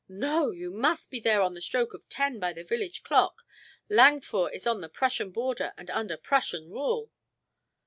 "No! You must be there on the stroke of ten by the village clock. Langführ is on the Prussian border and under Prussian rule."